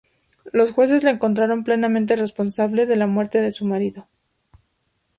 Los jueces la encontraron "plenamente responsable" de la muerte de su marido.